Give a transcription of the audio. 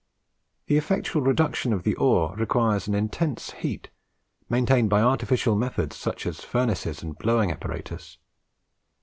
The effectual reduction of the ore requires an intense heat, maintained by artificial methods, such as furnaces and blowing apparatus.